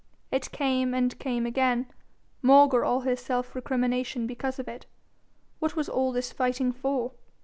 It came and came again, maugre all his self recrimination because of it: what was all this fighting for?